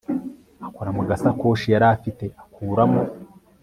akora mugasakoshi yari afite akuramo